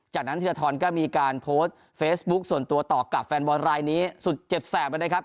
จากนั้นธีรทรก็มีการโพสต์เฟซบุ๊คส่วนตัวต่อกับแฟนบอลรายนี้สุดเจ็บแสบเลยนะครับ